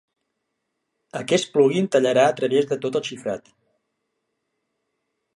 Aquest plug-in tallarà a través de tot el xifrat.